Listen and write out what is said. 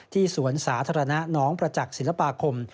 สวนสาธารณะน้องประจักษ์ศิลปาคม